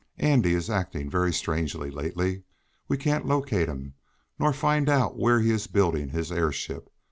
Andy is acting very strangely lately. We can't locate him, nor find out where he is building his airship.